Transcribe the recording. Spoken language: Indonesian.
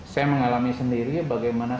saya mengalami sendiri bagaimana